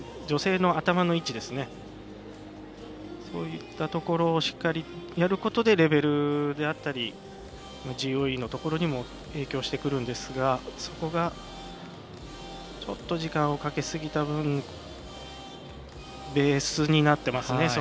女性の頭の位置そういったところをしっかりとやることでレベルであったりＧＯＥのところにも影響してくるんですがそこが時間をかけすぎた分ベースになってますね。